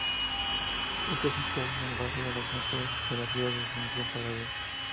Está situado en el barrio Las Mercedes de la ciudad de Asunción, Paraguay.